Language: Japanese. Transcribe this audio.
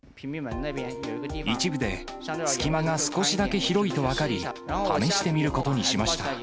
一部で隙間が少しだけ広いと分かり、試してみることにしました。